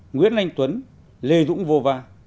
nguyễn anh tuấn lê dũng vô va